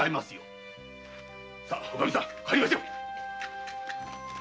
さおカミさん帰りましょう。